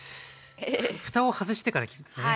ふたを外してから切りますね。